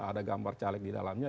ada gambar caleg di dalamnya